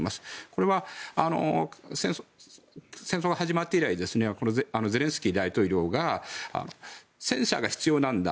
これは戦争が始まって以来ゼレンスキー大統領が戦車が必要なんだ